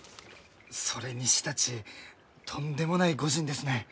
それにしたちとんでもない御仁ですね。